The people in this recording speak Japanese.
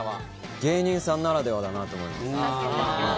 芸人さんならではだと思います。